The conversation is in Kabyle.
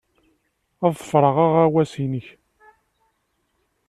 Ad ḍefreɣ aɣawas-nnek.